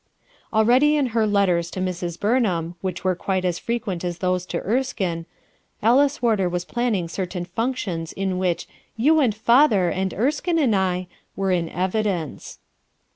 Already in her letters to Sirs. Burnham, which were quite as frequent as those to Erskine Alice Warder was planning certain functions in which "You and father, and Erskine and I" were in evidence.